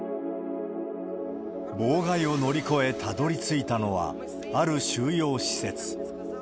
妨害を乗り越えたどりついたのは、ある収容施設。